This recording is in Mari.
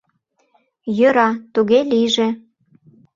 — Йӧра, туге лийже.